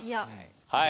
はい。